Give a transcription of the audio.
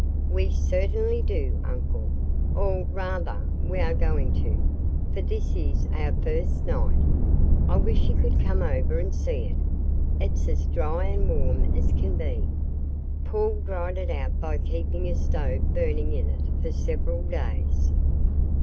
"We certainly do, uncle; or, rather, we are going to, for this is our first night. I wish you could come over and see it. It's as dry and warm as can be. Paul dried it out by keeping a stove burning in it for several days."